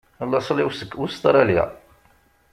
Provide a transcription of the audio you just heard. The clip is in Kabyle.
Laṣel-iw seg Ustṛalya.